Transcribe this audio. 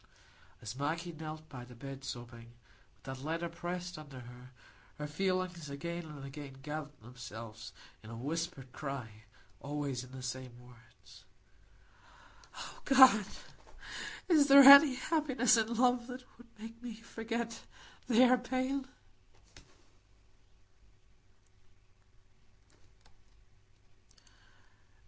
As Maggie knelt by the bed sobbing, with that letter pressed under her, her feelings again and again gathered themselves in a whispered cry, always in the same words,— "O God, is there any happiness in love that could make me forget their pain?"